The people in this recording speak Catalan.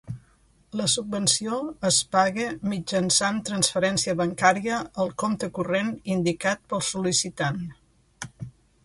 La subvenció es paga mitjançant transferència bancària al compte corrent indicat pel sol·licitant.